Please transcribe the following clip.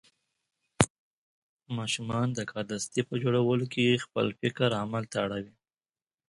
ماشومان د کاردستي په جوړولو کې خپل فکر عمل ته اړوي.